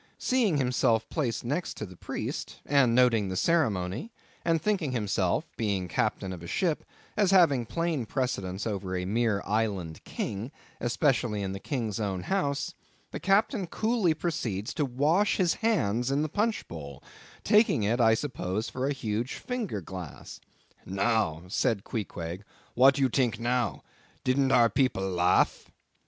Seeing himself placed next the Priest, and noting the ceremony, and thinking himself—being Captain of a ship—as having plain precedence over a mere island King, especially in the King's own house—the Captain coolly proceeds to wash his hands in the punchbowl;—taking it I suppose for a huge finger glass. "Now," said Queequeg, "what you tink now?—Didn't our people laugh?"